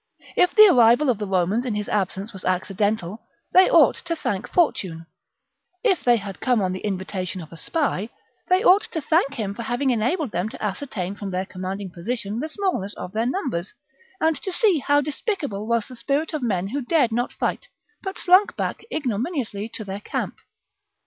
If the arrival of the Romans in his absence was acci dental, they ought to thank Fortune ; if they had come on the invitation of a spy, they ought to thank him for having enabled them to ascertain from their commanding position the smallness of their numbers, and to see how despicable was the spirit of men who dared not fight, but slunk back ignominiously to their camp.